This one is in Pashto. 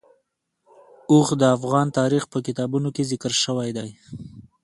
اوښ د افغان تاریخ په کتابونو کې ذکر شوی دی.